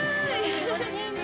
気持ちいいね。